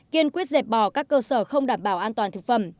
kiên quyết dẹp bỏ các cơ sở không đảm bảo an toàn thực phẩm